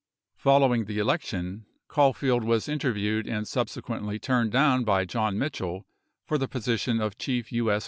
Following the election, Caulfield was interviewed and subsequently turned down by John Mitchell for the position of Chief TI.S.